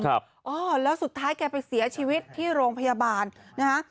ครับอ๋อแล้วสุดท้ายแกไปเสียชีวิตที่โรงพยาบาลนะฮะ